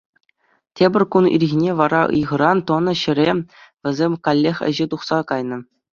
Тепӗр кун ирхине вара ыйхӑран тӑнӑ ҫӗре вӗсем каллех ӗҫе тухса кайнӑ.